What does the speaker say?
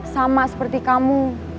sama seperti kamu